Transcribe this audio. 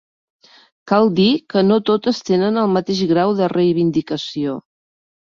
Cal dir que no totes tenen el mateix grau de reivindicació.